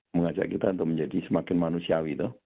mengajak kita untuk menjadi semakin manusiawi itu